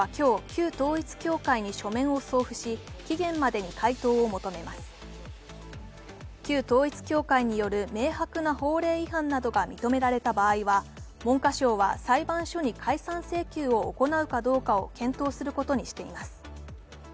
旧統一教会による明白な法令違反などが認められた場合は文科省は裁判所に解散請求を行うかどうかを検討することにしています。